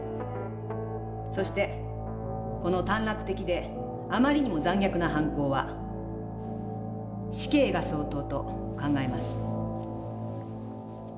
そしてこの短絡的であまりにも残虐な犯行は死刑が相当と考えます」。